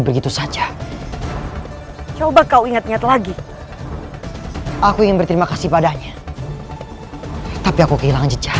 begitu saja coba kau ingat ingat lagi aku ingin berterima kasih padanya tapi aku kehilangan jejak